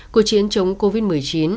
cuộc chiến chống covid một mươi chín